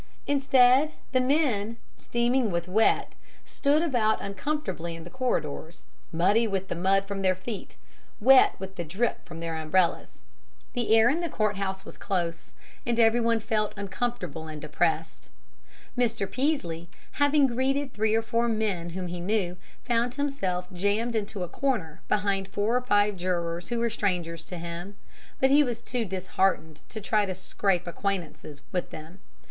Instead, the men, steaming with wet, stood about uncomfortably in the corridors, muddy with the mud from their feet, wet with the drip from their umbrellas. The air in the court house was close, and every one felt uncomfortable and depressed. Mr. Peaslee, having greeted three or four men whom he knew, found himself jammed into a corner behind four or five jurors who were strangers to him, but he was too disheartened to try to scrape acquaintance with them.